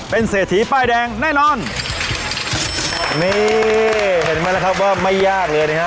เป็นเศรษฐีป้ายแดงแน่นอนนี่เห็นไหมล่ะครับว่าไม่ยากเลยนะฮะ